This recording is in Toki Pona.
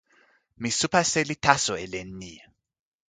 mi supa seli taso e len ni.